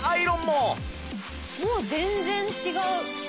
もう全然違う。